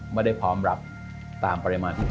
ไม่ได้พร้อมรับตามปริมาณที่